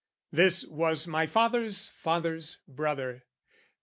This was my father's father's brother.